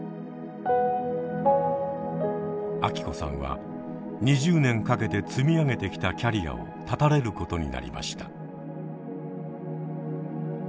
アキコさんは２０年かけて積み上げてきたキャリアを断たれることになりました。